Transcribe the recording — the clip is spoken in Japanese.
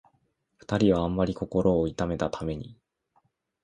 二人はあんまり心を痛めたために、